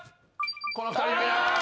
この２人だけ。